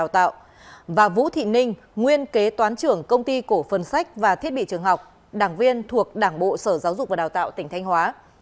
toán trưởng công ty cổ phần sách và thiết bị trường học đảng viên thuộc đảng bộ sở giáo dục và đào tạo tỉnh thanh hóa